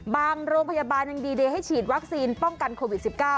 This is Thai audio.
โรงพยาบาลยังดีเดย์ให้ฉีดวัคซีนป้องกันโควิด๑๙